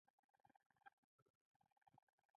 ایا زه باید اش وخورم؟